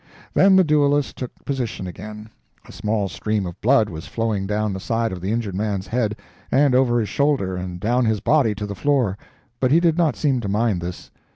Then the duelists took position again; a small stream of blood was flowing down the side of the injured man's head, and over his shoulder and down his body to the floor, but he did not seem to mind this.